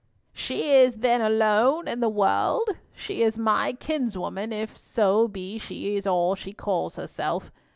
"She is then alone in the world. She is my kinswoman, if so be she is all she calls herself.